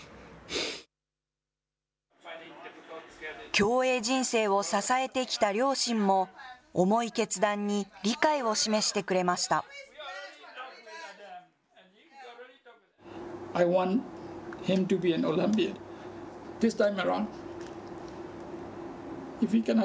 競泳人生を支えてきた両親も、重い決断に理解を示してくれました。